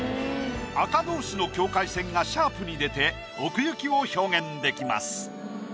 赤同士の境界線がシャープに出て奥行きを表現できます。